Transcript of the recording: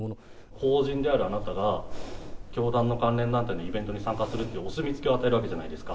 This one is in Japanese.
公人であるあなたが、教団の関連団体のイベントに参加するということは、お墨付きを与えるわけじゃないですか。